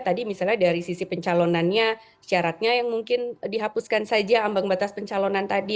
tadi misalnya dari sisi pencalonannya syaratnya yang mungkin dihapuskan saja ambang batas pencalonan tadi